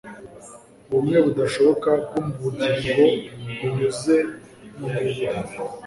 Ubumwe budashoboka bwubugingo binyuze mumibiri